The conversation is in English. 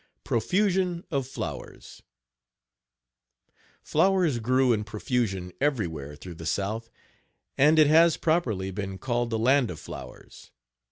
PROFUSION OF FLOWERS. Flowers grew in profusion everywhere through the south, and it has, properly, been called the land of flowers.